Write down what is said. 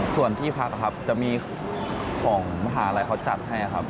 ส่วนที่พักครับจะมีของมหาลัยเขาจัดให้ครับ